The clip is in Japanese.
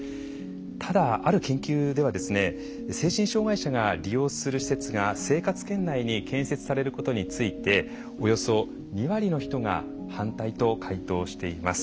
ただある研究では精神障害者が利用する施設が生活圏内に建設されることについておよそ２割の人が「反対」と回答しています。